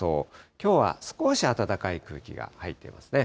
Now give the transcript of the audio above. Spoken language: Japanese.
きょうは少し暖かい空気が入ってますね。